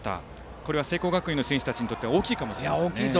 これは聖光学院の選手にとっては大きいかもしれませんね。